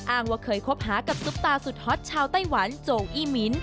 ว่าเคยคบหากับซุปตาสุดฮอตชาวไต้หวันโจอี้มิ้น